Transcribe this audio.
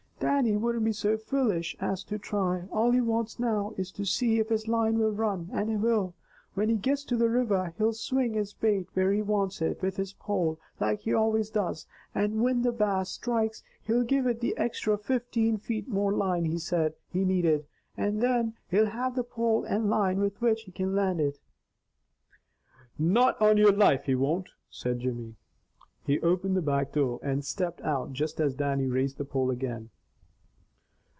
"Dannie wouldn't be so foolish as to try. All he wants now is to see if his line will run, and it will. Whin he gets to the river, he'll swing his bait where he wants it with his pole, like he always does, and whin the Bass strikes he'll give it the extra fifteen feet more line he said he needed, and thin he'll have a pole and line with which he can land it." "Not on your life he won't!" said Jimmy. He opened the back door and stepped out just as Dannie raised the pole again.